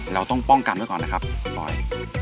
เราต้องป้องกันไว้ก่อนนะครับปล่อย